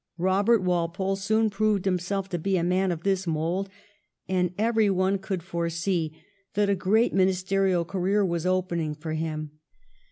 Eobert Walpole soon proved himself to be a man of this mould, and everyone could foresee that a great ministerial career was opening for him.